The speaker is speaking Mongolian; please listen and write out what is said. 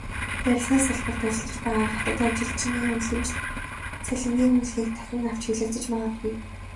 Барилгын салбарт ажиллаж байгаа хятад ажилчны үнэлэмж, цалингийн үнэлгээг дахин авч хэлэлцэж магадгүй.